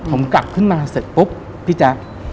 ผมกลับขึ้นมาเสร็จปุ๊บพี่แจ๊ค